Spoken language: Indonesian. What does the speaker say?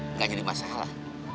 nggak jadi masalah